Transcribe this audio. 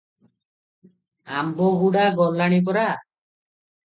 ଆମ୍ବଗୁଡ଼ା ଗଲାଣି ପରା ।